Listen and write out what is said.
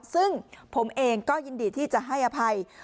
ซึ่งผมเองก็ยินดีที่จะให้อภัย